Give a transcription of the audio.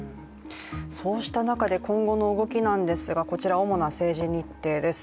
そうした中、今後の動きなんですがこちらが主な政治日程です。